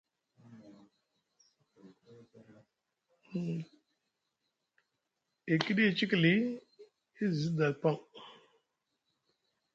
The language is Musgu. E kiɗi e cikili, e zi sda paŋ.